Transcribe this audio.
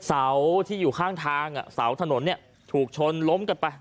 เศร้าที่อยู่ข้างทางเศร้าถนนเนี่ยถูกชนล้มกันไป